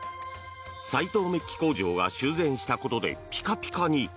斎藤鍍金工場が修繕したことでピカピカに！